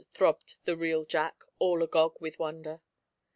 throbbed the real Jack, all agog with wonder.